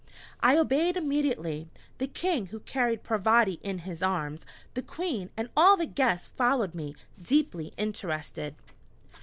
I obeyed immediately. The King, who carried Parvati in his arms, the Queen, and all the guests followed me, deeply interested.